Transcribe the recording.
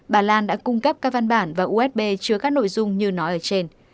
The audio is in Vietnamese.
bà lan đã cung cấp các văn bản và usb chứa các nội dung như nói ở trên